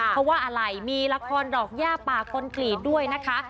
เพราะว่าอะไรมีละครดอกย่าป่าคอนกรีตด้วยนะคะ